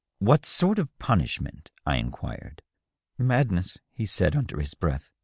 What sort of punishment?" I inquired. " Madness," he said, under his breath.